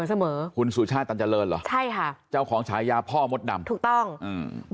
เสมอคุณสุชาติตันเจริญเหรอใช่ค่ะเจ้าของฉายาพ่อมดดำถูกต้องอืม